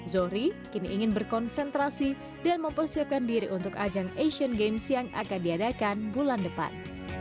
zohri kini ingin berkonsentrasi dan mempersiapkan diri untuk ajang asian games yang akan diadakan bulan depan